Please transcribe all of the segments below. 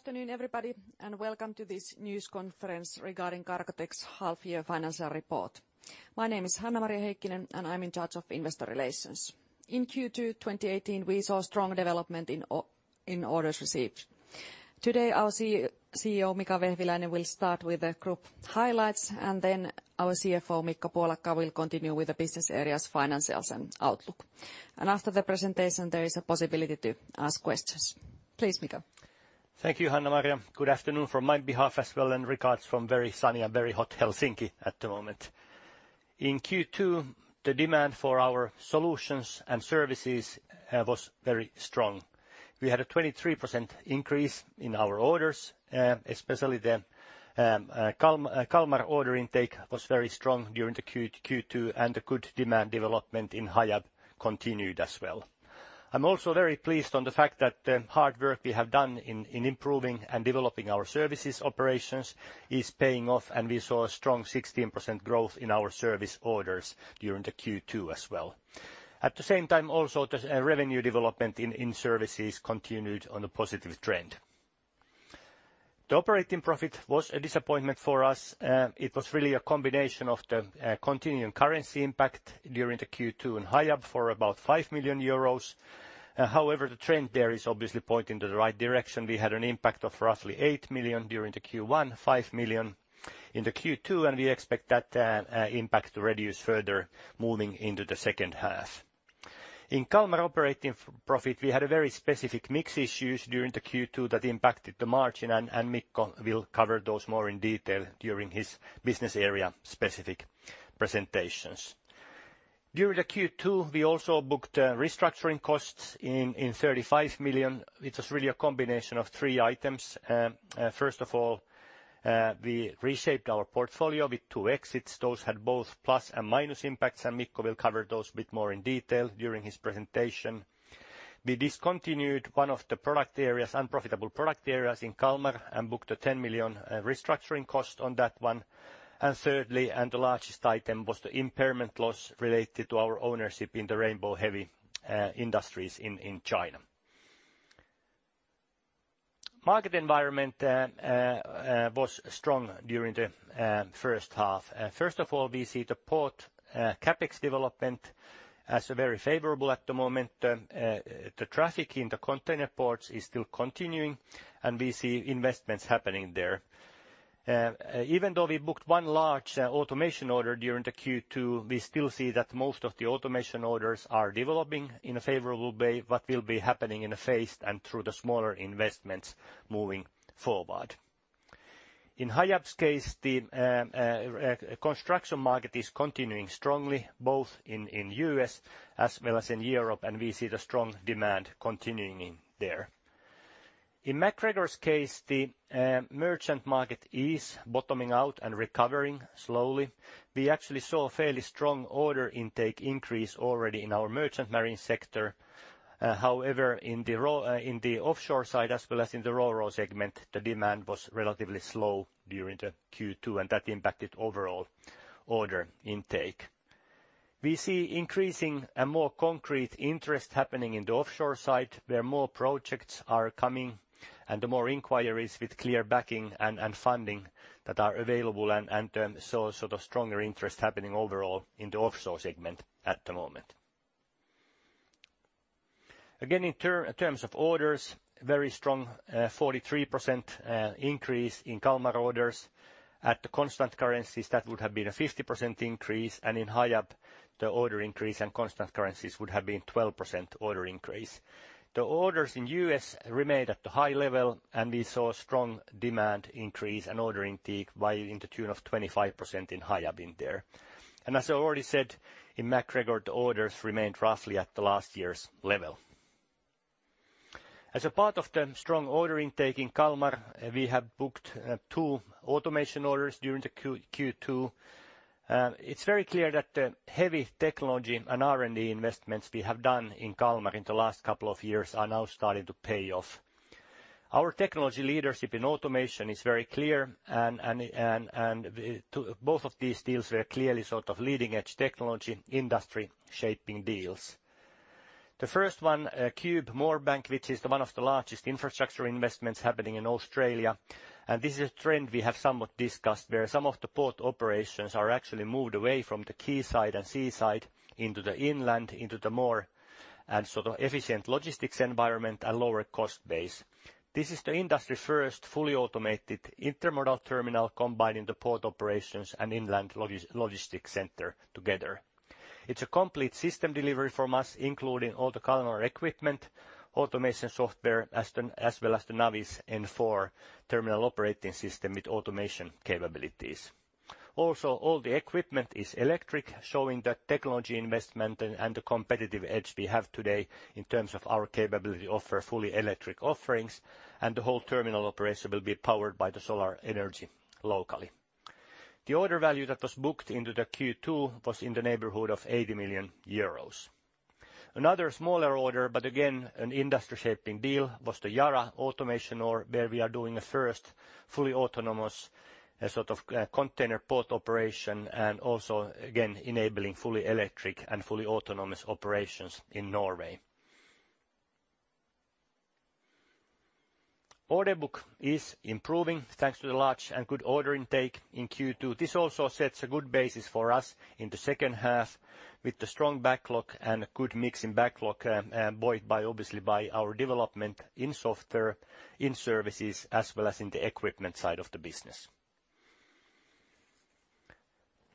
Afternoon, everybody, welcome to this news conference regarding Cargotec's half year financial report. My name is Hanna-Maria Heikkinen, and I'm in charge of Investor Relations. In Q2, 2018, we saw strong development in orders received. Today, our CEO, Mika Vehviläinen, will start with the group highlights, our CFO, Mikko Puolakka, will continue with the business areas financials and outlook. After the presentation, there is a possibility to ask questions. Please, Mika. Thank you, Hanna-Maria. Good afternoon from my behalf as well and regards from very sunny and very hot Helsinki at the moment. In Q2, the demand for our solutions and services was very strong. We had a 23% increase in our orders, especially the Kalmar order intake was very strong during the Q2, and the good demand development in Hiab continued as well. I'm also very pleased on the fact that the hard work we have done in improving and developing our services operations is paying off, and we saw a strong 16% growth in our service orders during the Q2 as well. At the same time, also, the revenue development in services continued on a positive trend. The operating profit was a disappointment for us. It was really a combination of the continuing currency impact during the Q2 in Hiab for about 5 million euros. However, the trend there is obviously pointing to the right direction. We had an impact of roughly 8 million during the Q1, 5 million in the Q2, and we expect that impact to reduce further moving into the second half. In Kalmar operating profit, we had a very specific mix issues during the Q2 that impacted the margin, and Mikko will cover those more in detail during his business area-specific presentations. During the Q2, we also booked restructuring costs in 35 million. It was really a combination of three items. First of all, we reshaped our portfolio with two exits. Those had both plus and minus impacts. Mikko will cover those a bit more in detail during his presentation. We discontinued one of the product areas, unprofitable product areas in Kalmar and booked a 10 million restructuring cost on that one. Thirdly, the largest item was the impairment loss related to our ownership in the Rainbow Heavy Industries in China. Market environment was strong during the first half. First of all, we see the port CapEx development as very favorable at the moment. The traffic in the container ports is still continuing, and we see investments happening there. Even though we booked one large automation order during the Q2, we still see that most of the automation orders are developing in a favorable way, but will be happening in a phased and through the smaller investments moving forward. In Hiab's case, the construction market is continuing strongly, both in U.S. as well as in Europe. We see the strong demand continuing there. In MacGregor's case, the merchant market is bottoming out and recovering slowly. We actually saw a fairly strong order intake increase already in our merchant marine sector. However, in the offshore side, as well as in the Ro-Ro segment, the demand was relatively slow during the Q2. That impacted overall order intake. We see increasing and more concrete interest happening in the offshore side, where more projects are coming and the more inquiries with clear backing and funding that are available, so sort of stronger interest happening overall in the offshore segment at the moment. Again, in terms of orders, very strong, 43% increase in Kalmar orders. At the constant currencies, that would have been a 50% increase. In Hiab, the order increase and constant currencies would have been 12% order increase. The orders in U.S. remained at the high level, and we saw strong demand increase and order intake in the tune of 25% in Hiab in there. As I already said, in MacGregor, the orders remained roughly at the last year's level. As a part of the strong order intake in Kalmar, we have booked two automation orders during the Q2. It's very clear that the heavy technology and R&D investments we have done in Kalmar in the last couple of years are now starting to pay off. Our technology leadership in automation is very clear and both of these deals were clearly sort of leading-edge technology, industry-shaping deals. The first one, Qube Moorebank, which is the one of the largest infrastructure investments happening in Australia. This is a trend we have somewhat discussed, where some of the port operations are actually moved away from the quayside and seaside into the inland, into the more and sort of efficient logistics environment and lower cost base. This is the industry's first fully automated intermodal terminal combining the port operations and inland logistics center together. It's a complete system delivery from us, including all the Kalmar equipment, automation software, as well as the Navis N4 Terminal Operating System with automation capabilities. All the equipment is electric, showing the technology investment and the competitive edge we have today in terms of our capability to offer fully electric offerings, and the whole terminal operation will be powered by the solar energy locally. The order value that was booked into the Q2 was in the neighborhood of 80 million euros. Another smaller order, again, an industry-shaping deal, was the Yara automation order, where we are doing the first fully autonomous, sort of, container port operation and also, again, enabling fully electric and fully autonomous operations in Norway. Order book is improving thanks to the large and good order intake in Q2. This also sets a good basis for us in the second half with the strong backlog and good mix in backlog, buoyed by obviously by our development in software, in services, as well as in the equipment side of the business.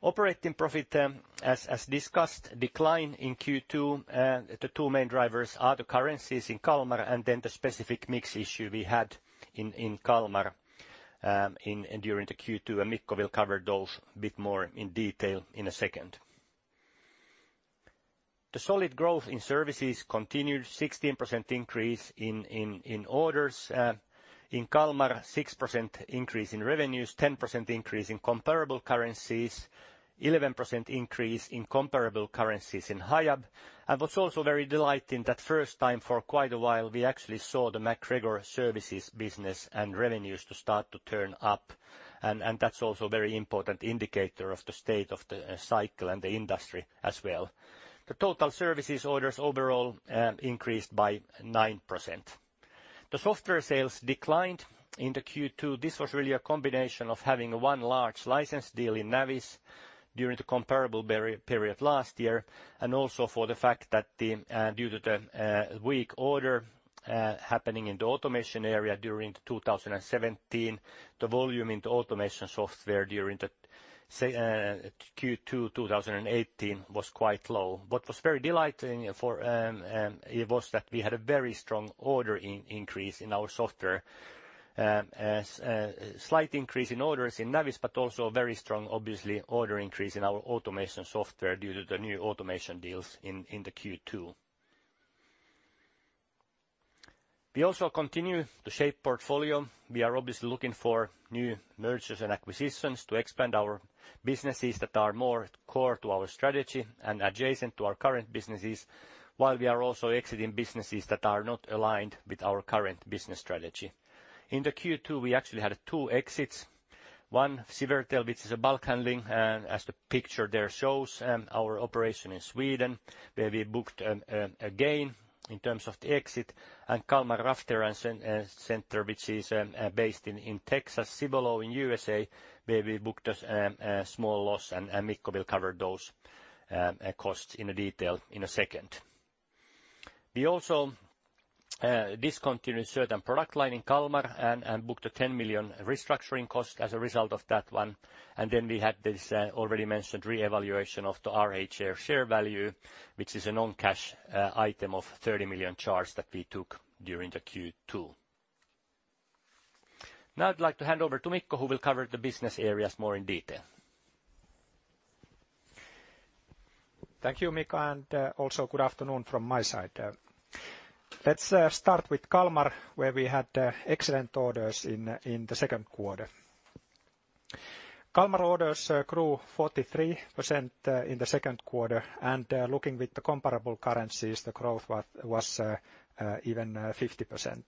Operating profit, as discussed, decline in Q2. The two main drivers are the currencies in Kalmar and then the specific mix issue we had in Kalmar, in and during the Q2, and Mikko will cover those a bit more in detail in a second. The solid growth in services continued 16% increase in orders, in Kalmar, 6% increase in revenues, 10% increase in comparable currencies, 11% increase in comparable currencies in Hiab. I was also very delighted that first time for quite a while we actually saw the MacGregor Services business and revenues to start to turn up and that's also a very important indicator of the state of the cycle and the industry as well. The total services orders overall, increased by 9%. The software sales declined in the Q2. This was really a combination of having one large license deal in Navis during the comparable period last year, and also for the fact that the due to the weak order happening in the automation area during 2017, the volume in the automation software during Q2 2018 was quite low. What was very delighting for it was that we had a very strong order increase in our software. Slight increase in orders in Navis, also very strong obviously order increase in our automation software due to the new automation deals in the Q2. We also continue to shape portfolio. We are obviously looking for new mergers and acquisitions to expand our businesses that are more core to our strategy and adjacent to our current businesses, while we are also exiting businesses that are not aligned with our current business strategy. In the Q2, we actually had 2 exits. One, Siwertell, which is a bulk handling, as the picture there shows, our operation in Sweden, where we booked a gain in terms of the exit. Kalmar Rough Terrain Center, which is based in Texas, Cibolo in U.S.A, where we booked a small loss and Mikko will cover those costs in a detail in a second. We also discontinued certain product line in Kalmar and booked a 10 million restructuring cost as a result of that one. We had this already mentioned reevaluation of the RHI share value, which is a non-cash item of 30 million charge that we took during the Q2. Now I'd like to hand over to Mikko, who will cover the business areas more in detail. Thank you, Mika, and also good afternoon from my side. Let's start with Kalmar, where we had excellent orders in the second quarter. Kalmar orders grew 43% in the second quarter, and looking with the comparable currencies, the growth was even 50%.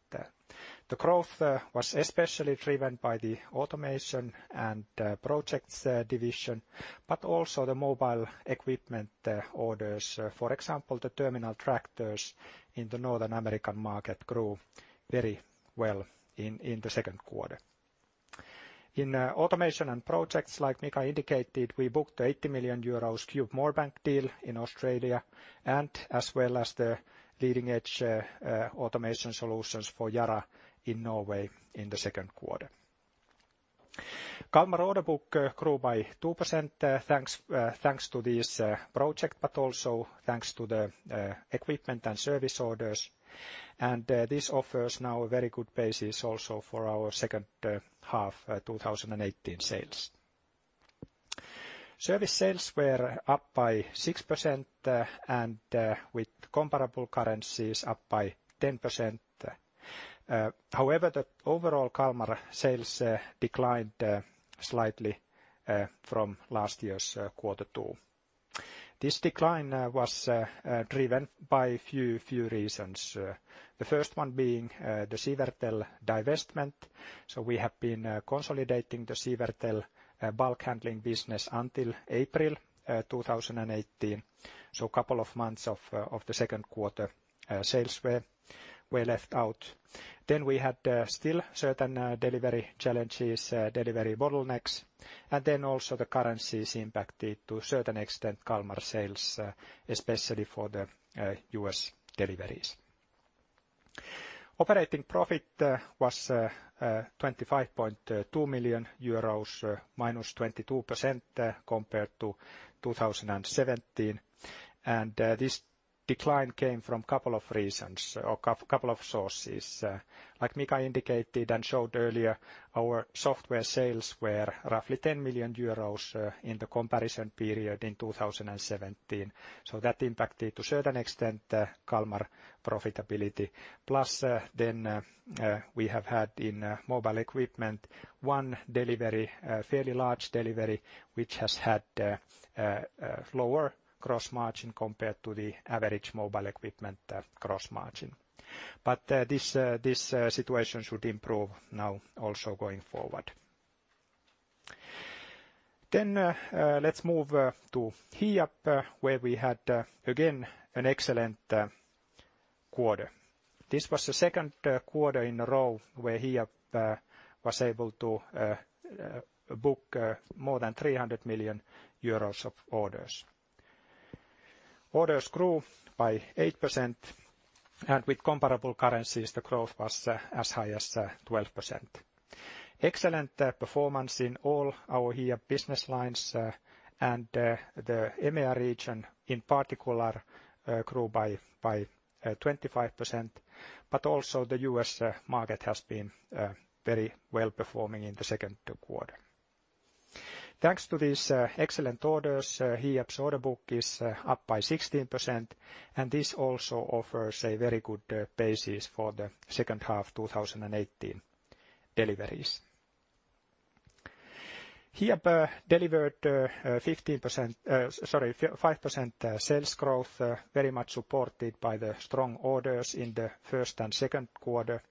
The growth was especially driven by the automation and projects division, but also the mobile equipment orders. For example, the terminal tractors in the North American market grew very well in the second quarter. In automation and projects, like Mika indicated, we booked the 80 million euros Qube Moorebank deal in Australia and as well as the leading-edge automation solutions for Yara in Norway in the second quarter. Kalmar order book grew by 2%, thanks to this project, but also thanks to the equipment and service orders. This offers now a very good basis also for our second half 2018 sales. Service sales were up by 6%, and with comparable currencies up by 10%. However, the overall Kalmar sales declined slightly from last year's quarter two. This decline was driven by a few reasons. The first one being the Siwertell divestment. We have been consolidating the Siwertell bulk handling business until April 2018. A couple of months of the second quarter sales were left out. We had still certain delivery challenges, delivery bottlenecks, and also the currencies impacted to a certain extent Kalmar sales, especially for the U.S. deliveries. Operating profit was 25.2 million euros, minus 22%, compared to 2017. This decline came from couple of reasons or couple of sources. Like Mika indicated and showed earlier, our software sales were roughly 10 million euros in the comparison period in 2017. That impacted to a certain extent Kalmar profitability. Plus, then we have had in mobile equipment, one delivery, a fairly large delivery, which has had lower gross margin compared to the average mobile equipment gross margin. This situation should improve now also going forward. Let's move to Hiab, where we had again an excellent quarter. This was the second quarter in a row where Hiab was able to book more than 300 million euros of orders. Orders grew by 8%, and with comparable currencies, the growth was as high as 12%. Excellent performance in all our Hiab business lines, and the EMEA region in particular grew by 25%, but also the U.S. market has been very well-performing in the second quarter. Thanks to these excellent orders, Hiab's order book is up by 16%, and this also offers a very good basis for the second half 2018 deliveries. Hiab delivered 5% sales growth, very much supported by the strong orders in the first and second quarter.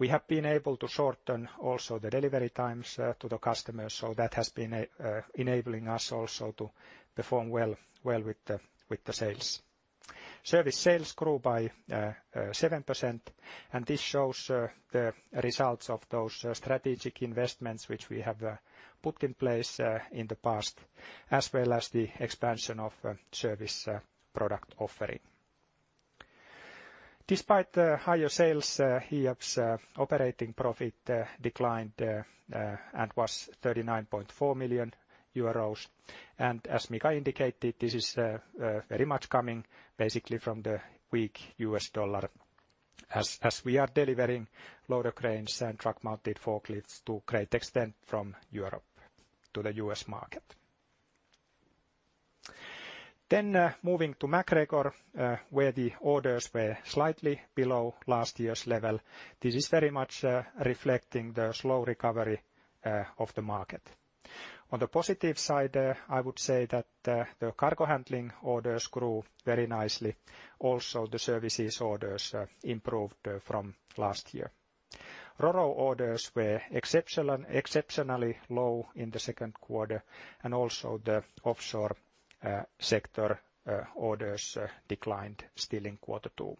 We have been able to shorten also the delivery times to the customers, so that has been enabling us also to perform well with the sales. Service sales grew by 7%, and this shows the results of those strategic investments which we have put in place in the past, as well as the expansion of service product offering. Despite the higher sales, Hiab's operating profit declined and was 39.4 million euros. As Mika indicated, this is very much coming basically from the weak U.S. Dollar as we are delivering loader cranes and truck-mounted forklifts to great extent from Europe to the U.S. market. Moving to MacGregor, where the orders were slightly below last year's level. This is very much reflecting the slow recovery of the market. On the positive side, I would say that the cargo handling orders grew very nicely. Also, the services orders improved from last year. Ro-Ro orders were exceptionally low in the second quarter, and also the offshore sector orders declined still in quarter two.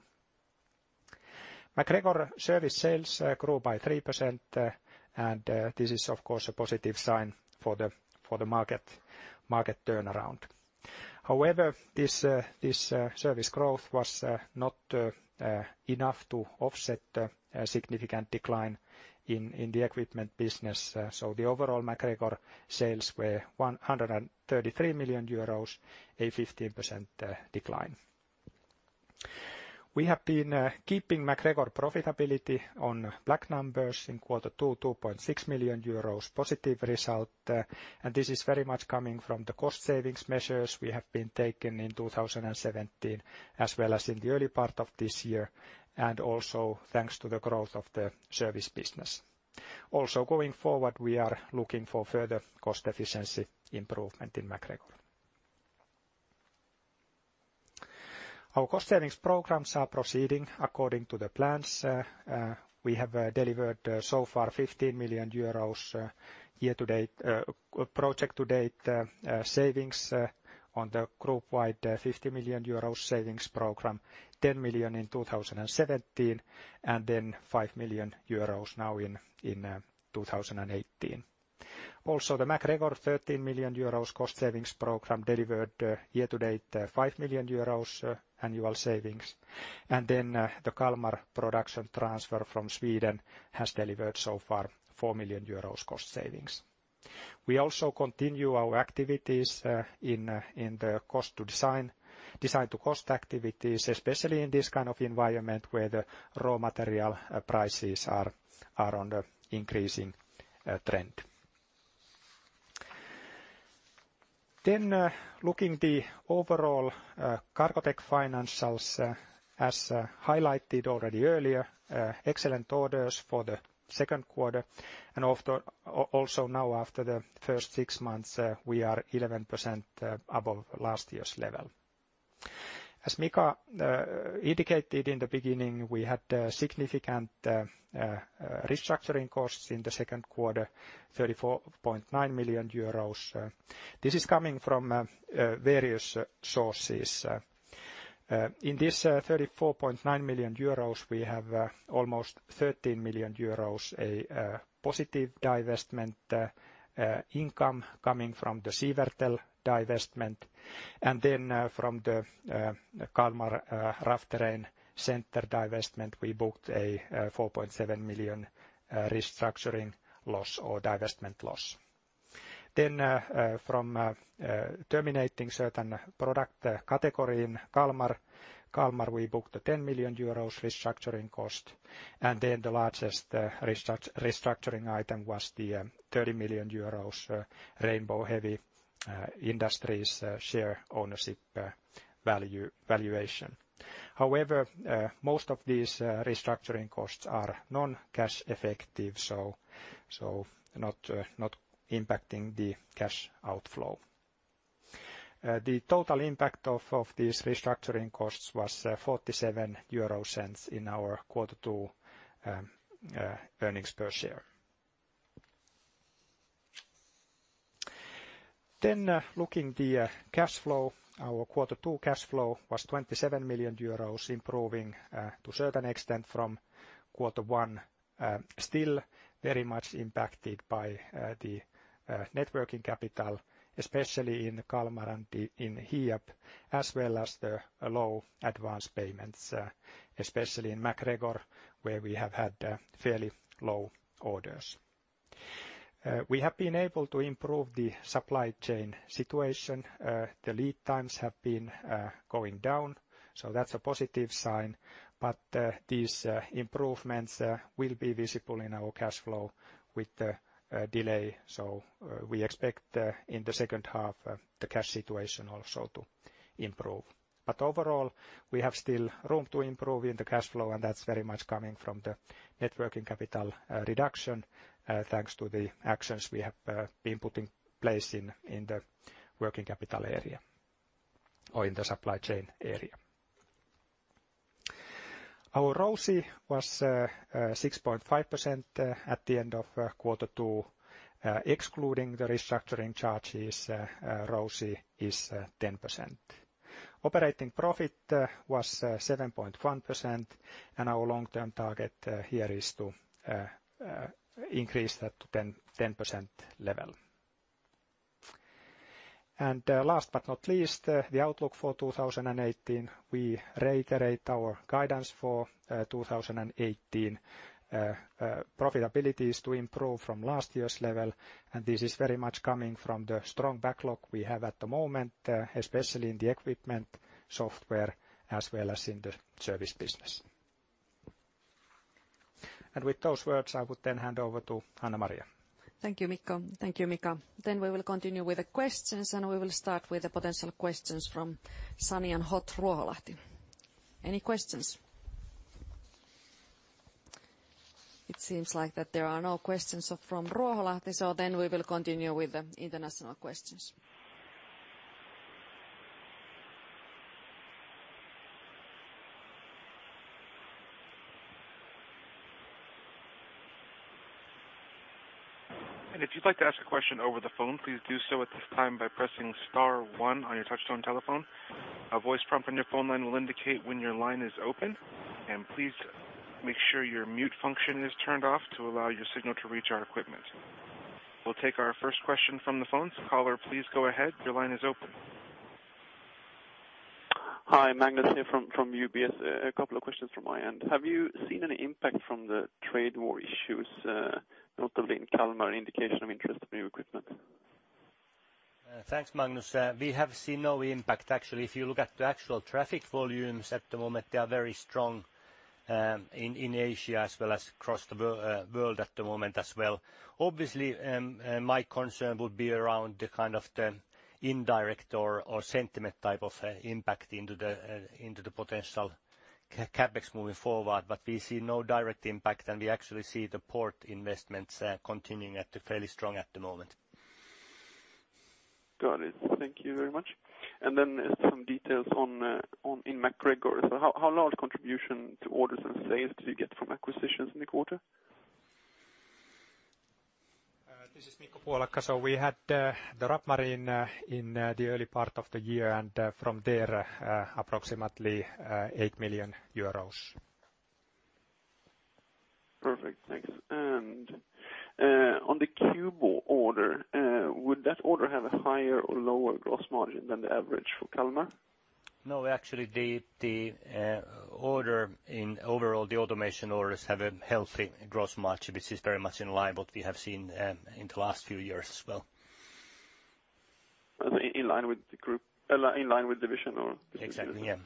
MacGregor service sales grew by 3%, and this is of course, a positive sign for the market turnaround. However, this service growth was not enough to offset the significant decline in the equipment business. The overall MacGregor sales were 133 million euros, a 15% decline. We have been keeping MacGregor profitability on black numbers in quarter two, 2.6 million euros positive result. This is very much coming from the cost savings measures we have been taking in 2017 as well as in the early part of this year, and also thanks to the growth of the service business. Going forward, we are looking for further cost efficiency improvement in MacGregor. Our cost savings programs are proceeding according to the plans. We have delivered so far 15 million euros project to date savings on the group wide 50 million euro savings program, 10 million in 2017, and 5 million euros now in 2018. Also, the MacGregor 13 million euros cost savings program delivered year to date 5 million euros annual savings. The Kalmar production transfer from Sweden has delivered so far 4 million euros cost savings. We also continue our activities in Design to Cost activities, especially in this kind of environment where the raw material prices are on the increasing trend. Looking the overall Cargotec financials, as highlighted already earlier, excellent orders for the second quarter. Also now after the first six months, we are 11% above last year's level. As Mika indicated in the beginning, we had significant restructuring costs in the 2Q, 34.9 million euros. This is coming from various sources. In this 34.9 million euros, we have almost 13 million euros positive divestment income coming from the Siwertell divestment. From the Kalmar Rough Terrain Center divestment, we booked a 4.7 million restructuring loss or divestment loss. From terminating certain product category in Kalmar, we booked a 10 million euros restructuring cost. The largest restructuring item was the 30 million euros Rainbow Heavy Industries share ownership valuation. However, most of these restructuring costs are non-cash effective, so not impacting the cash outflow. The total impact of these restructuring costs was 0.47 in our quarter two earnings per share. Looking the cash flow. Our quarter two cash flow was 27 million euros, improving to a certain extent from quarter one. Still very much impacted by the networking capital, especially in Kalmar and in Hiab, as well as the low advance payments, especially in MacGregor, where we have had fairly low orders. We have been able to improve the supply chain situation. The lead times have been going down, that's a positive sign. These improvements will be visible in our cash flow with the delay. We expect the, in the second half, the cash situation also to improve. Overall, we have still room to improve in the cash flow, and that's very much coming from the networking capital reduction, thanks to the actions we have been putting place in the working capital area or in the supply chain area. Our ROSI was 6.5% at the end of quarter two. Excluding the restructuring charges, ROSI is 10%. Operating profit was 7.1%, and our long-term target here is to increase that to 10% level. Last but not least, the outlook for 2018. We reiterate our guidance for 2018. Profitability is to improve from last year's level, and this is very much coming from the strong backlog we have at the moment, especially in the equipment, software, as well as in the service business. With those words, I would then hand over to Hanna-Maria. Thank you, Mikko. Thank you, Mika. We will continue with the questions. We will start with the potential questions from sunny and hot Ruoholahti. Any questions? It seems like that there are no questions from Ruoholahti. We will continue with the international questions. If you'd like to ask a question over the phone, please do so at this time by pressing star one on your touchtone telephone. A voice prompt on your phone line will indicate when your line is open. Please make sure your mute function is turned off to allow your signal to reach our equipment. We'll take our first question from the phone. Caller, please go ahead. Your line is open. Hi, Magnus here from UBS. A couple of questions from my end. Have you seen any impact from the trade war issues, notably in Kalmar indication of interest in new equipment? Thanks, Magnus. We have seen no impact. Actually, if you look at the actual traffic volumes at the moment, they are very strong, in Asia as well as across the world at the moment as well. Obviously, my concern would be around the kind of the indirect or sentiment type of impact into the potential CapEx moving forward. We see no direct impact, and we actually see the port investments continuing at the fairly strong at the moment. Got it. Thank you very much. Then just some details on on in MacGregor. How large contribution to orders and sales do you get from acquisitions in the quarter? This is Mikko Puolakka. We had the Rapp Marine in in the early part of the year, and from there approximately EUR 8 million. Perfect. Thanks. On the Qube order, would that order have a higher or lower gross margin than the average for Kalmar? No, actually, the order in overall the automation orders have a healthy gross margin, which is very much in line what we have seen in the last few years as well. In line with division or. Exactly, yeah.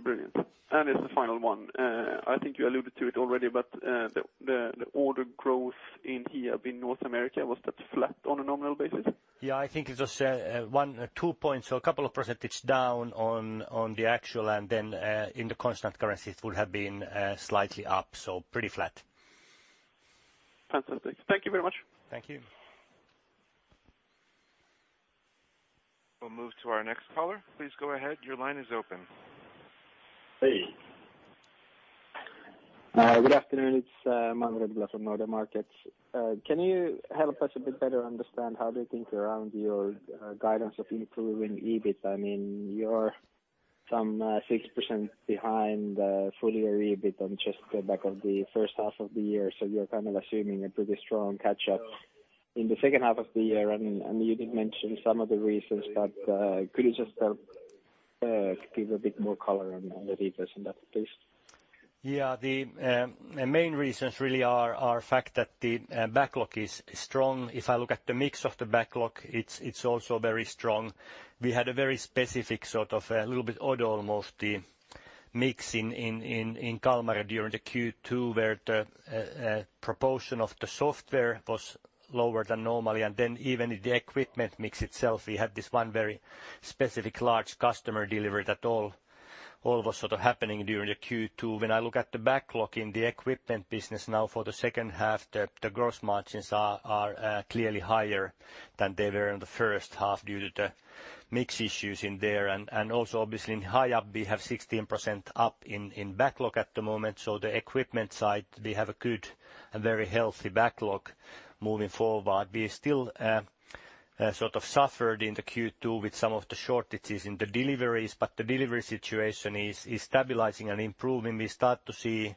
Brilliant. As the final one, I think you alluded to it already, but, the order growth in here in North America, was that flat on a nominal basis? Yeah, I think it was one, two points, so a couple of % down on the actual, and then in the constant currencies, it would have been slightly up, so pretty flat. Fantastic. Thank you very much. Thank you. We'll move to our next caller. Please go ahead. Your line is open. Hey. Good afternoon. It's Manfred Blass from Nordea Markets. Can you help us a bit better understand how do you think around your guidance of improving EBIT? I mean, you're some 6% behind full-year EBIT on just the back of the first half of the year. You're kind of assuming a pretty strong catch-up in the second half of the year. You did mention some of the reasonsB but could you just give a bit more color on the details on that, please? Yeah. The main reasons really are fact that the backlog is strong. If I look at the mix of the backlog, it's also very strong. We had a very specific sort of, a little bit odd, almost, mix in Kalmar during the Q2, where the proportion of the software was lower than normal. Even in the equipment mix itself, we had this one very Specific large customer delivered at all. All was sort of happening during the Q2. When I look at the backlog in the equipment business now for the second half, the gross margins are clearly higher than they were in the first half due to the mix issues in there. Also obviously in Hiab, we have 16% up in backlog at the moment. The equipment side, we have a good and very healthy backlog moving forward. We still sort of suffered in the Q2 with some of the shortages in the deliveries, but the delivery situation is stabilizing and improving. We start to see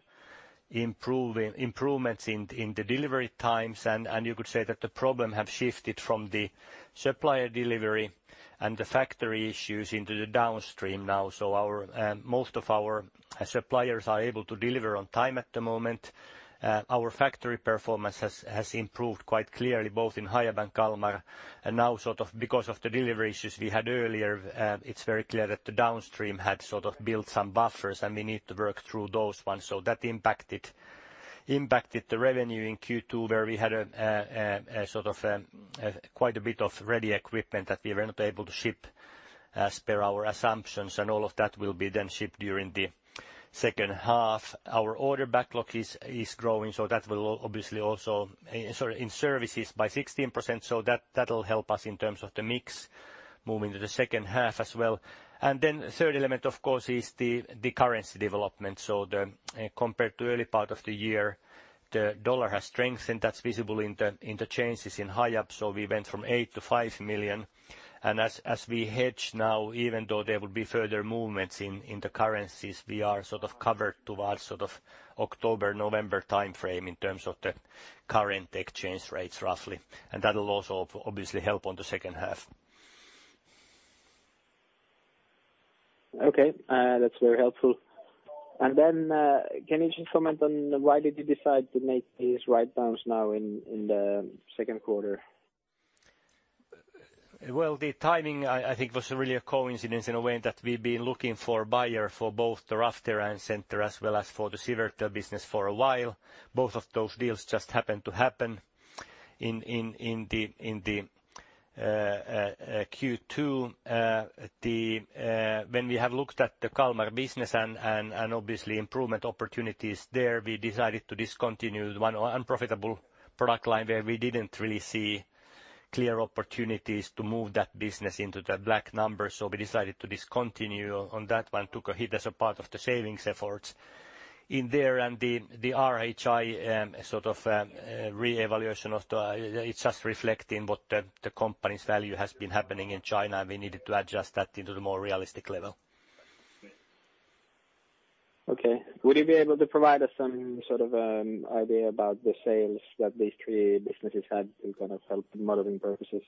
improvements in the delivery times, and you could say that the problem have shifted from the supplier delivery and the factory issues into the downstream now. Our most of our suppliers are able to deliver on time at the moment. Our factory performance has improved quite clearly both in Hiab and Kalmar. Now sort of because of the delivery issues we had earlier, it's very clear that the downstream had sort of built some buffers, and we need to work through those ones. That impacted the revenue in Q2, where we had a sort of quite a bit of ready equipment that we were not able to ship, as per our assumptions, and all of that will be then shipped during the second half. Our order backlog is growing. Sorry, in services by 16%, that'll help us in terms of the mix moving to the second half as well. Third element, of course, is the currency development. Compared to early part of the year, the dollar has strengthened. That's visible in the changes in Hiab. We went from 8 million-5 million. As we hedge now, even though there will be further movements in the currencies, we are sort of covered towards sort of October, November timeframe in terms of the current exchange rates, roughly. That'll also obviously help on the second half. Okay. That's very helpful. Can you just comment on why did you decide to make these write-downs now in the second quarter? Well, the timing I think was really a coincidence in a way that we've been looking for a buyer for both the Kalmar Rough Terrain Center as well as for the Siwertell business for a while. Both of those deals just happened to happen in Q2. When we have looked at the Kalmar business and obviously improvement opportunities there, we decided to discontinue the one unprofitable product line where we didn't really see clear opportunities to move that business into the black numbers. We decided to discontinue on that one, took a hit as a part of the savings efforts in there. The RCI sort of reevaluation of the... It's just reflecting what the company's value has been happening in China, and we needed to adjust that into the more realistic level. Okay. Would you be able to provide us some sort of idea about the sales that these three businesses had in kind of help modeling purposes?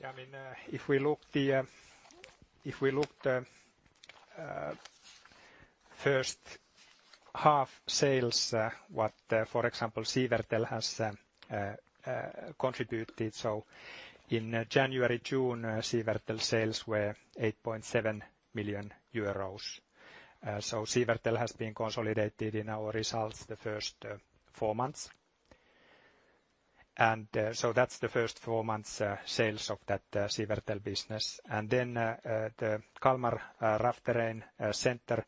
Yeah. I mean, if we look the first half sales, what, for example, Siwertell has contributed. In January to June, Siwertell sales were 8.7 million euros. Siwertell has been consolidated in our results the first four months. That's the first four months sales of that Siwertell business. The Kalmar Rough Terrain Center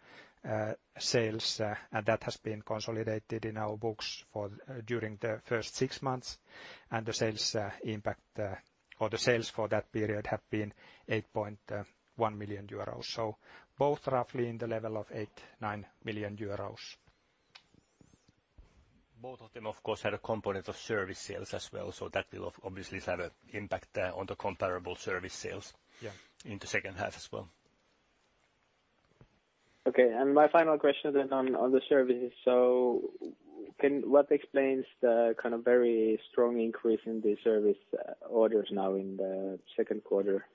sales, that has been consolidated in our books for during the first six months. The sales impact, or the sales for that period have been 8.1 million euros. Both roughly in the level of 8 million-9 million euros. Both of them, of course, had a component of service sales as well. That will obviously have a impact there on the comparable service sales. Yeah In the second half as well. Okay. My final question then on the services. What explains the kind of very strong increase in the service orders now in the second quarter?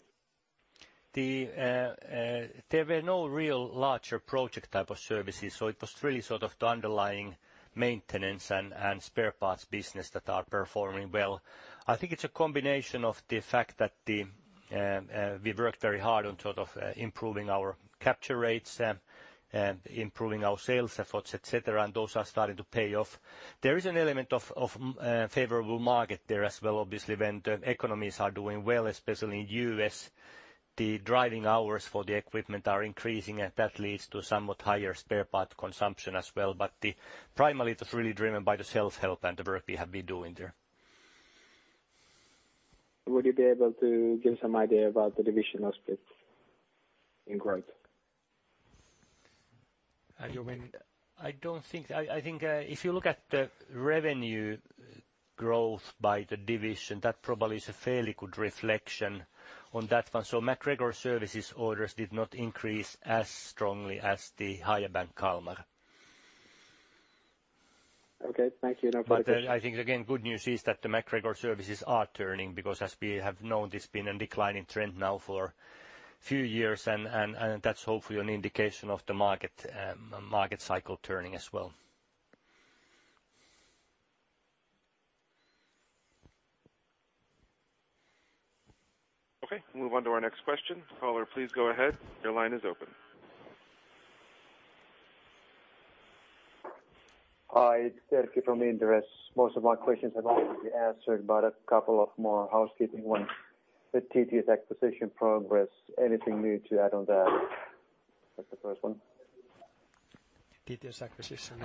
There were no real larger project type of services, it was really sort of the underlying maintenance and spare parts business that are performing well. I think it's a combination of the fact that we worked very hard on sort of improving our capture rates and improving our sales efforts, et cetera, and those are starting to pay off. There is an element of favorable market there as well. Obviously, when the economies are doing well, especially in U.S., the driving hours for the equipment are increasing, and that leads to somewhat higher spare part consumption as well. Primarily, it was really driven by the sales help and the work we have been doing there. Would you be able to give some idea about the divisional splits in growth? You mean. I don't think. I think, if you look at the revenue growth by the division, that probably is a fairly good reflection on that one. MacGregor services orders did not increase as strongly as the Hiab and Kalmar. Okay. Thank you. No further- I think again, good news is that the MacGregor Services are turning because as we have known, there's been a declining trend now for few years and that's hopefully an indication of the market cycle turning as well. Okay. Move on to our next question. Caller, please go ahead. Your line is open. Hi, it's Terhi from Carnegie. Most of my questions have already been answered, but a couple of more housekeeping ones. The TTS acquisition progress, anything new to add on that? That's the first one. TTS acquisition.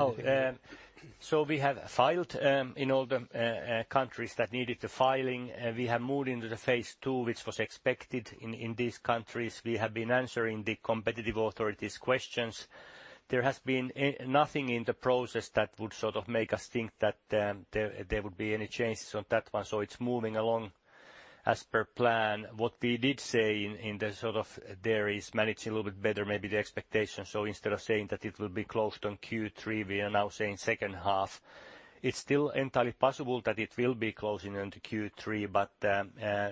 We have filed in all the countries that needed the filing. We have moved into the phase two, which was expected in these countries. We have been answering the competitive authorities' questions. There has been nothing in the process that would sort of make us think that there would be any changes on that one. It's moving along as per plan. What we did say in the sort of there is managing a little bit better maybe the expectation. Instead of saying that it will be closed on Q3, we are now saying second half. It's still entirely possible that it will be closing on to Q3, but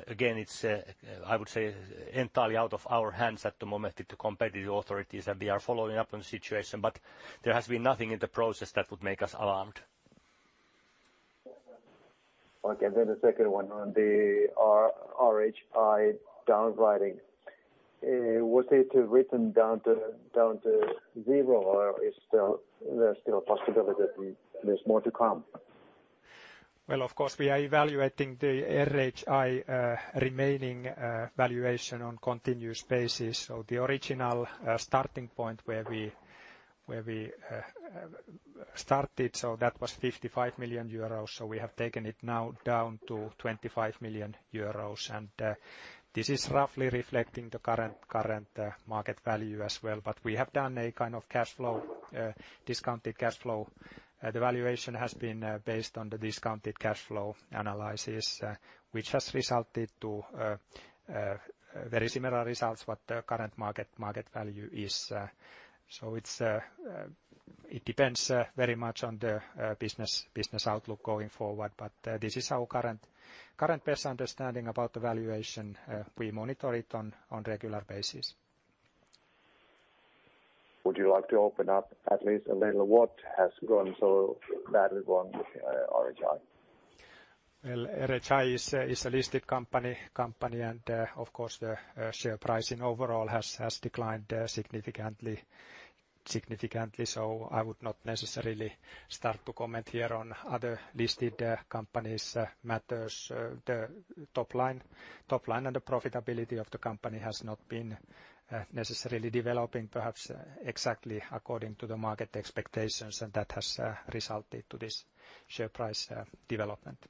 again, it's, I would say entirely out of our hands at the moment with the competitive authorities, and we are following up on the situation, but there has been nothing in the process that would make us alarmed. Okay, the second one on the RCI write-down. Was it written down to zero or is there still a possibility there's more to come? Well, of course, we are evaluating the RCI remaining valuation on continuous basis. The original starting point where we started, that was 55 million euros. We have taken it now down to 25 million euros. This is roughly reflecting the current market value as well. We have done a kind of cash flow, discounted cash flow. The valuation has been based on the discounted cash flow analysis, which has resulted to very similar results what the current market value is. It's, it depends very much on the business outlook going forward. This is our current best understanding about the valuation. We monitor it on regular basis. Would you like to open up at least a little what has gone so badly wrong with RCI? Well, RCI is a listed company, and of course, the share pricing overall has declined significantly. I would not necessarily start to comment here on other listed companies' matters. The top line and the profitability of the company has not been necessarily developing perhaps exactly according to the market expectations, and that has resulted to this share price development.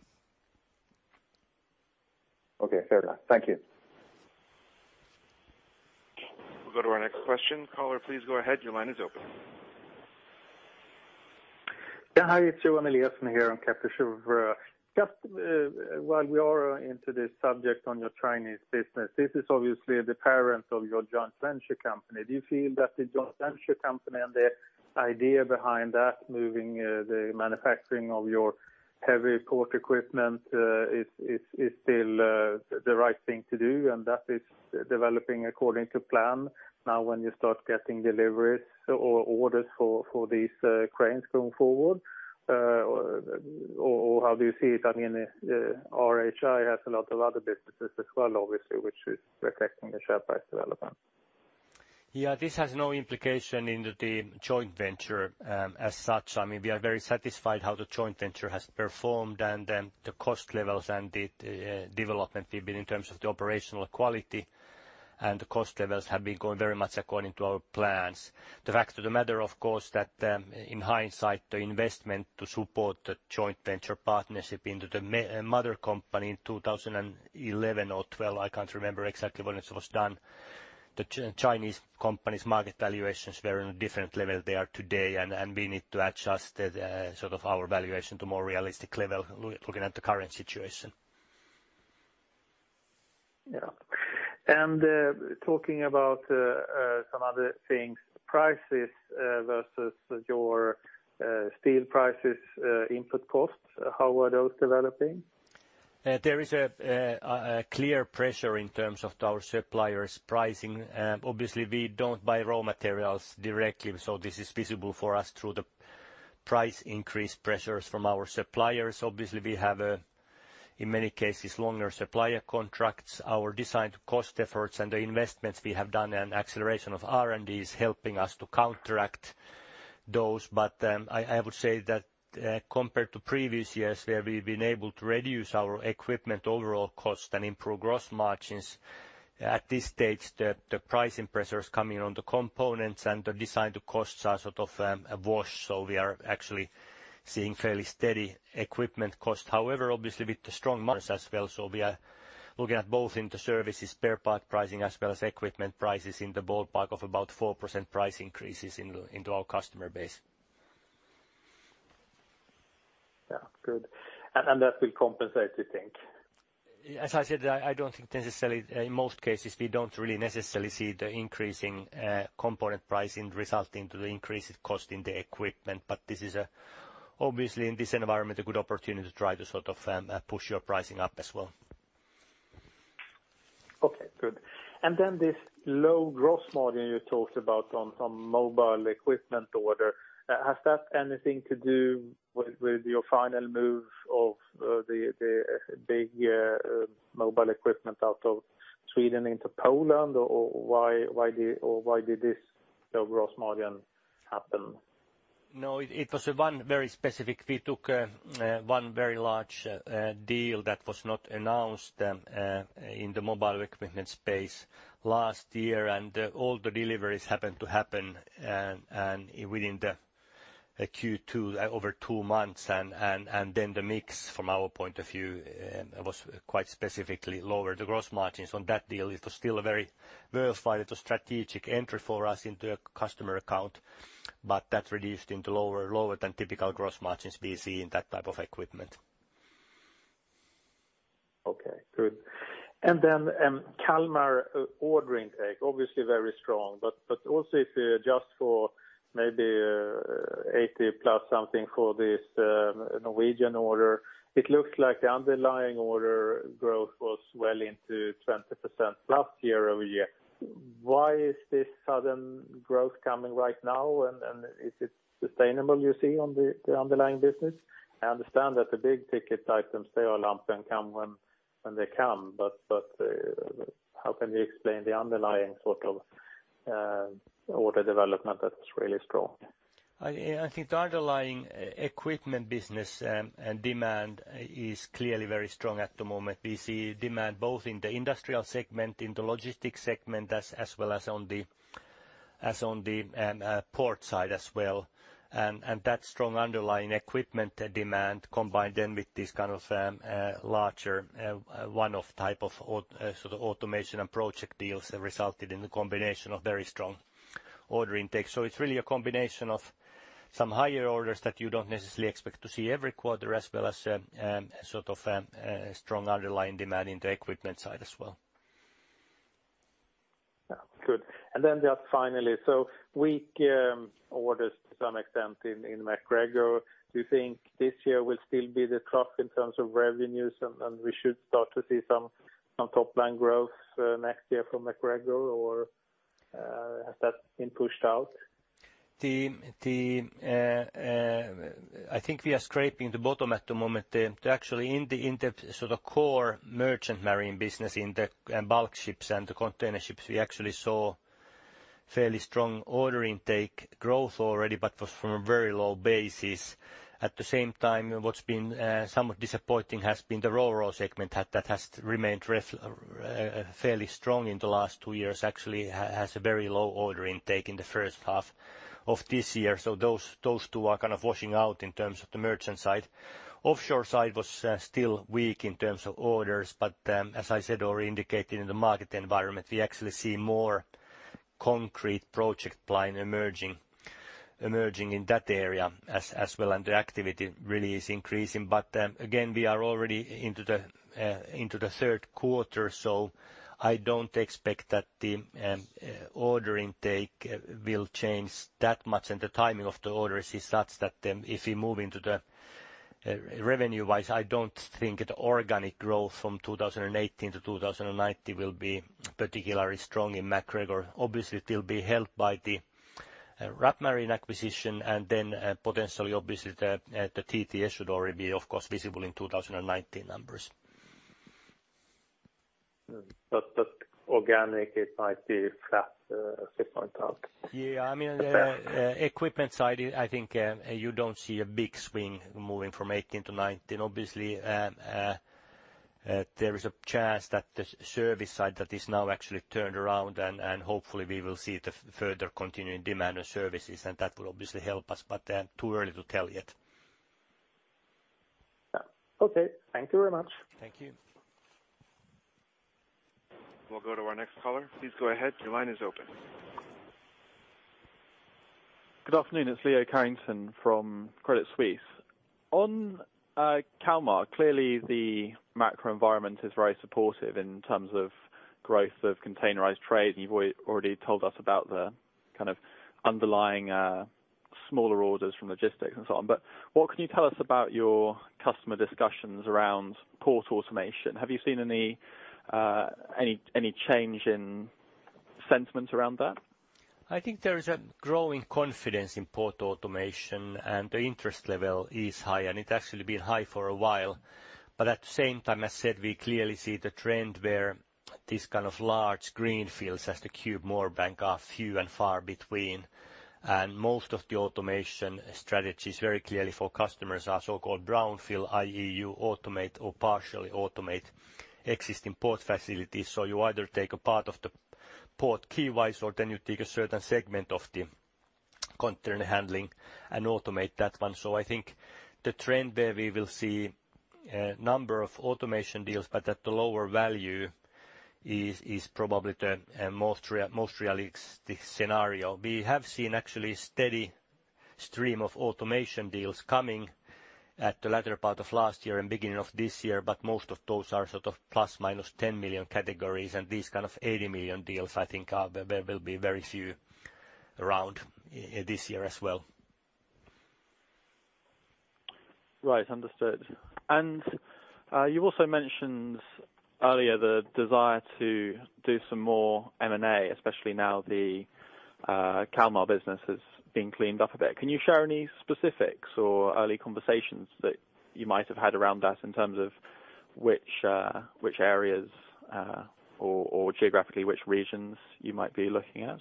Okay, fair enough. Thank you. We'll go to our next question. Caller, please go ahead. Your line is open. Yeah, hi, it's Johan Eliason here on. Good. That will compensate you think. As I said, I don't think necessarily, in most cases, we don't really necessarily see the increasing component pricing resulting to the increased cost in the equipment. This is, obviously in this environment, a good opportunity to try to sort of, push your pricing up as well. Okay, good. This low gross margin you talked about on some mobile equipment order, has that anything to do with your final move of the big mobile equipment out of Sweden into Poland? Why did this low gross margin happen? No, it was one very specific. We took one very large deal that was not announced in the mobile equipment space last year. All the deliveries happened to happen, and within the Q2 over two months. The mix from our point of view was quite specifically lower. The gross margins on that deal, it was still a very verified. It's a strategic entry for us into a customer account. That released into lower than typical gross margins we see in that type of equipment. Okay, good. Kalmar order intake, obviously very strong, but also if you adjust for maybe 80-plus something for this Norwegian order, it looks like the underlying order growth was well into 20% last year-over-year. Why is this sudden growth coming right now? Is it sustainable you see on the underlying business? I understand that the big-ticket items, they all lump and come when they come. How can you explain the underlying sort of order development that's really strong? I think the underlying equipment business, and demand is clearly very strong at the moment. We see demand both in the industrial segment, in the logistics segment, as well as on the port side as well. That strong underlying equipment demand combined then with this kind of larger one-off type of sort of automation and project deals have resulted in the combination of very strong order intake. It's really a combination of some higher orders that you don't necessarily expect to see every quarter, as well as sort of strong underlying demand in the equipment side as well. Yeah. Good. Just finally, weak orders to some extent in MacGregor. Do you think this year will still be the trough in terms of revenues and we should start to see some top-line growth next year from MacGregor or has that been pushed out? I think we are scraping the bottom at the moment. Actually, in the sort of core merchant marine business in the bulk ships and the container ships, we actually saw fairly strong order intake growth already but was from a very low basis. At the same time, what's been somewhat disappointing has been the Ro-Ro segment. That has remained fairly strong in the last two years actually has a very low order intake in the first half of this year. Those two are kind of washing out in terms of the merchant side. Offshore side was still weak in terms of orders, but as I said or indicated in the market environment, we actually see more concrete project pipeline emerging in that area as well, and the activity really is increasing. Again, we are already into the third quarter, so I don't expect that the order intake will change that much. The timing of the orders is such that, if we move into the revenue-wise, I don't think the organic growth from 2018 to 2019 will be particularly strong in MacGregor. Obviously, it will be helped by the Rapp Marine acquisition and then, potentially obviously the TTS should already be of course visible in 2019 numbers. organic it might be flat, if I count. Yeah. I mean, equipment side, I think, you don't see a big swing moving from 2018 to 2019. Obviously, there is a chance that the service side that is now actually turned around, and hopefully we will see the further continuing demand on services, and that will obviously help us. Too early to tell yet. Yeah. Okay. Thank you very much. Thank you. We'll go to our next caller. Please go ahead. Your line is open. Good afternoon. It's Leo Carrington from Credit Suisse. On Kalmar, clearly the macro environment is very supportive in terms of growth of containerized trade. You've already told us about the kind of underlying smaller orders from logistics and so on. What can you tell us about your customer discussions around port automation? Have you seen any change in sentiment around that? I think there is a growing confidence in port automation, and the interest level is high, and it's actually been high for a while. At the same time, as said, we clearly see the trend where this kind of large greenfields, as the Qube Moorebank, are few and far between. Most of the automation strategies very clearly for customers are so-called brownfield, i.e., you automate or partially automate existing port facilities. You either take a part of the port key-wise, or you take a certain segment of the container handling and automate that one. I think the trend where we will see a number of automation deals but at a lower value is probably the most realistic scenario. We have seen actually a steady stream of automation deals coming at the latter part of last year and beginning of this year, but most of those are sort of plus/minus 10 million categories. These kind of 80 million deals I think are, there will be very few around this year as well. Right. Understood. You also mentioned earlier the desire to do some more M&A, especially now the Kalmar business has been cleaned up a bit. Can you share any specifics or early conversations that you might have had around that in terms of... Which areas, or geographically which regions you might be looking at?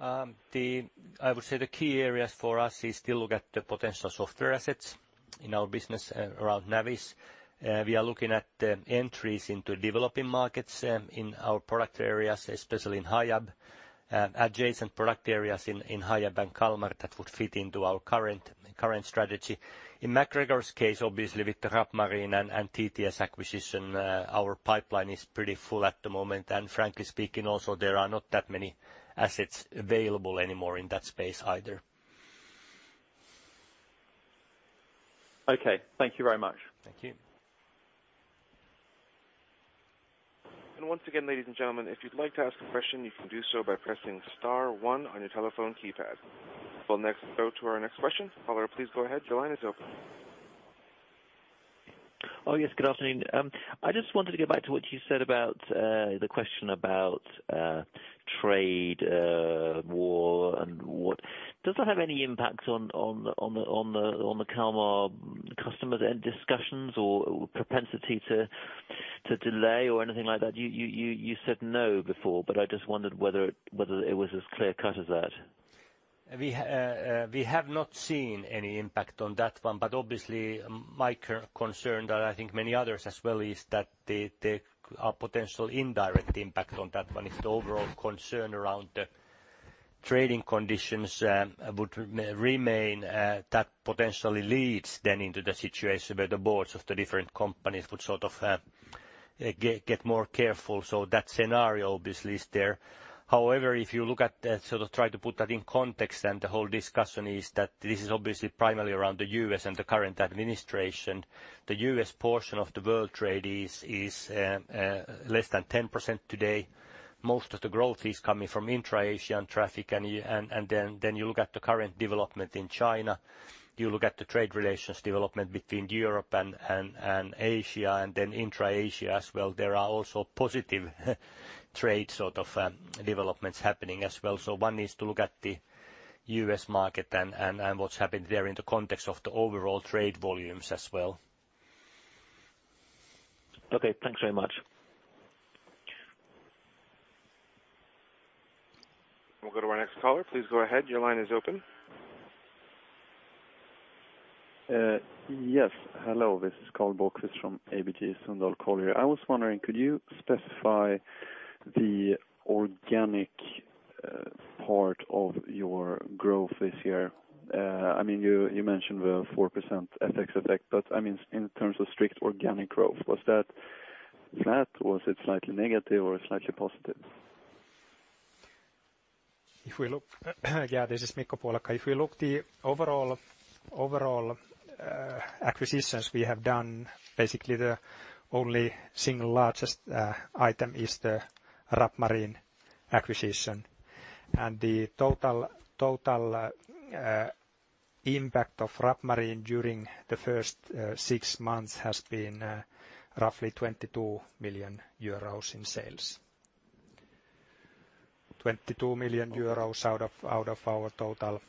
I would say the key areas for us is still look at the potential software assets in our business around Navis. We are looking at the entries into developing markets in our product areas, especially in Hiab, adjacent product areas in Hiab and Kalmar that would fit into our current strategy. In MacGregor's case, obviously, with the Rapp Marine and TTS acquisition, our pipeline is pretty full at the moment. Frankly speaking, also, there are not that many assets available anymore in that space either. Okay. Thank you very much. Thank you. Once again, ladies and gentlemen, if you'd like to ask a question, you can do so by pressing star one on your telephone keypad. We'll next go to our next question. Caller, please go ahead. Your line is open. Oh, yes. Good afternoon. I just wanted to go back to what you said about the question about trade war and what? Does that have any impact on the Kalmar customers and discussions or propensity to delay or anything like that? You said no before, but I just wondered whether it was as clear-cut as that. We have not seen any impact on that one, but obviously my concern, that I think many others as well, is that the our potential indirect impact on that one is the overall concern around the trading conditions would remain that potentially leads then into the situation where the boards of the different companies would sort of get more careful. That scenario obviously is there. If you look at that, sort of try to put that in context and the whole discussion is that this is obviously primarily around the U.S. and the current administration. The U.S. portion of the world trade is less than 10% today. Most of the growth is coming from intra-Asian traffic and then you look at the current development in China. You look at the trade relations development between Europe and Asia, and then intra-Asia as well. There are also positive trade sort of developments happening as well. One is to look at the U.S. market and what's happened there in the context of the overall trade volumes as well. Okay, thanks very much. We'll go to our next caller. Please go ahead. Your line is open. Yes. Hello, this is Karl Bokvist from ABG Sundal Collier. I was wondering, could you specify the organic part of your growth this year? I mean, you mentioned the 4% FX effect, but I mean, in terms of strict organic growth, was that flat? Was it slightly negative or slightly positive? Yeah, this is Mikko Puolakka. The overall acquisitions we have done, basically the only single largest item is the Rapp Marine acquisition. The total impact of Rapp Marine during the first six months has been roughly 22 million euros in sales. 22 million euros out of our total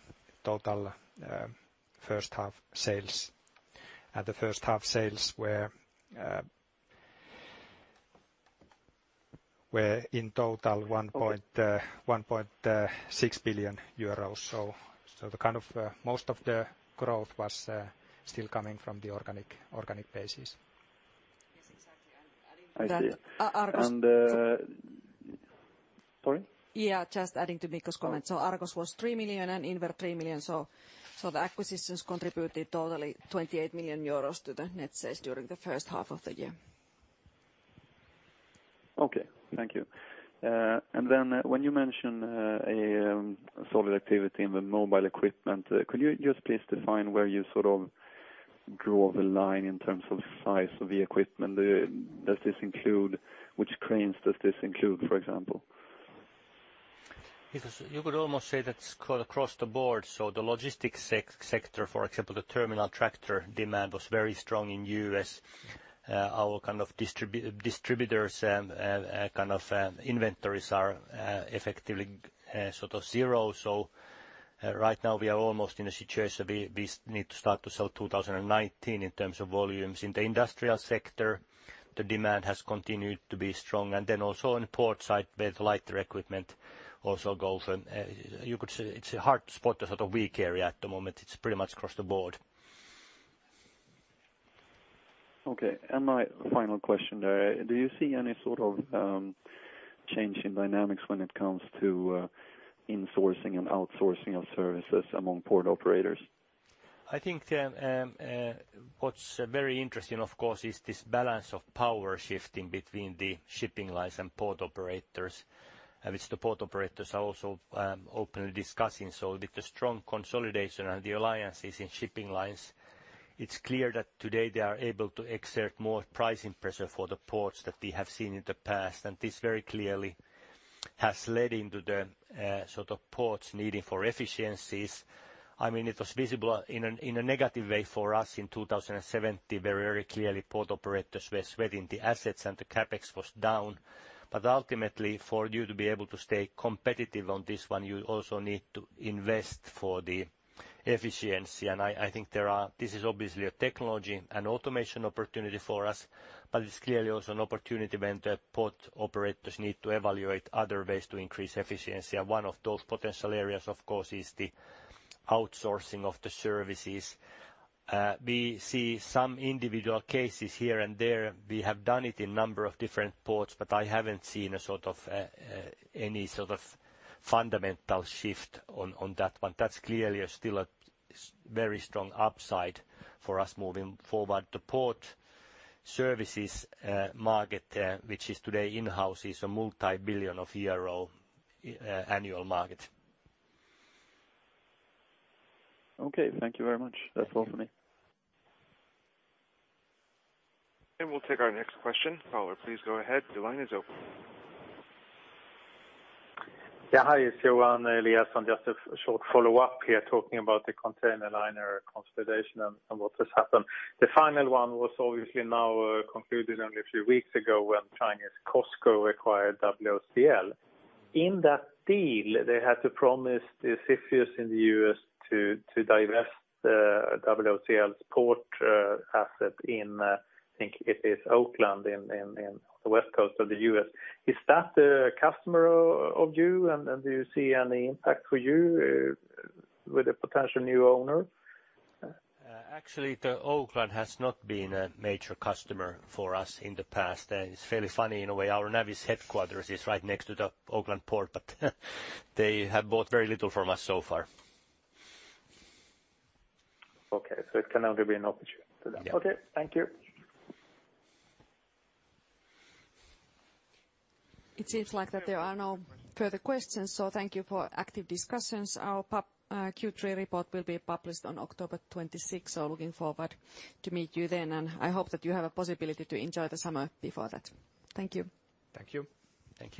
first half sales. The first half sales were in total 1.6 billion euros. The kind of most of the growth was still coming from the organic basis. Yes, exactly. adding to that- I see. Argos. Sorry? Yeah, just adding to Mikko's comment. Argos was 3 million and Effer, 3 million. The acquisitions contributed totally 28 million euros to the net sales during the first half of the year. Okay. Thank you. Then when you mention solid activity in the mobile equipment, could you just please define where you sort of draw the line in terms of size of the equipment? Which cranes does this include, for example? You could almost say that's sort of across the board. The logistics sector, for example, the terminal tractor demand was very strong in U.S. Our kind of distributors, kind of, inventories are effectively sort of zero. Right now we are almost in a situation we need to start to sell 2019 in terms of volumes. In the industrial sector, the demand has continued to be strong. Also on the port side with lighter equipment also goes and you could say it's a hard spot to sort of weak area at the moment. It's pretty much across the board. Okay. My final question there, do you see any sort of, change in dynamics when it comes to, insourcing and outsourcing of services among port operators? I think, what's very interesting, of course, is this balance of power shifting between the shipping lines and port operators, which the port operators are also openly discussing. With the strong consolidation and the alliances in shipping lines, it's clear that today they are able to exert more pricing pressure for the ports that we have seen in the past. This very clearly has led into the sort of ports needing for efficiencies. I mean, it was visible in a negative way for us in 2017, where very clearly port operators were sweating the assets and the CapEx was down. Ultimately, for you to be able to stay competitive on this one, you also need to invest for the efficiency. This is obviously a technology and automation opportunity for us, but it's clearly also an opportunity when the port operators need to evaluate other ways to increase efficiency. One of those potential areas, of course, is the outsourcing of the services. We see some individual cases here and there. We have done it in a number of different ports, but I haven't seen a sort of any sort of fundamental shift on that one. That's clearly a still very strong upside for us moving forward. The port services market there, which is today in-house, is a multi-billion EUR annual market. Okay. Thank you very much. Thank you. That's all for me. We'll take our next question. Caller, please go ahead. Your line is open. Yeah. Hi, it's Johan Eliason. Just a short follow-up here, talking about the container liner consolidation and what has happened. The final one was obviously now concluded only a few weeks ago when Chinese COSCO acquired OOCL. In that deal, they had to promise the officials in the US to divest the OOCL's port asset in, I think it is Oakland in the West Coast of the US. Is that a customer of you and do you see any impact for you with the potential new owner? Actually, the Oakland has not been a major customer for us in the past. It's fairly funny in a way. Our Navis headquarters is right next to the Oakland Port, but they have bought very little from us so far. Okay. It can only be an opportunity for them. Yeah. Okay. Thank you. It seems like that there are no further questions, so thank you for active discussions. Our Q3 report will be published on October 26th, so looking forward to meet you then, and I hope that you have a possibility to enjoy the summer before that. Thank you. Thank you. Thank you.